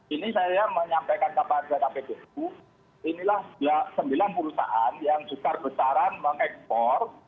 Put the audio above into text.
ini saya menyampaikan kepada kppu inilah sembilan perusahaan yang besar besaran mengekspor